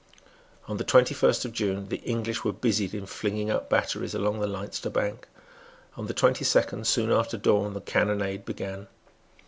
On the twenty first of June the English were busied in flinging up batteries along the Leinster bank. On the twenty second, soon after dawn, the cannonade began.